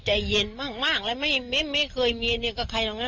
ใจเย็นมากมากและไม่ไม่ไม่เคยมีใครล่ะ